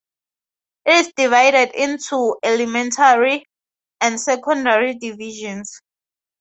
It is divided into elementary and secondary divisions.